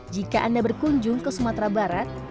jika anda berkunjung ke sumatera barat